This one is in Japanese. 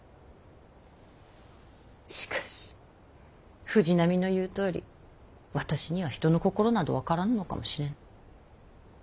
しかし藤波の言うとおり私には人の心など分からぬのかもしれぬ。